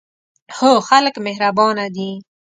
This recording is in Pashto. هو، خلک مهربانه دي